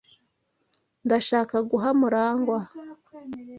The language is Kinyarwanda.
Ndashaka guha Murangwa.